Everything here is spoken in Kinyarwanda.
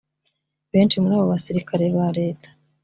benshi muri bo abasirikare ba Leta